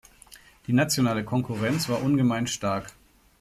Die nationale Konkurrenz war ungemein stark.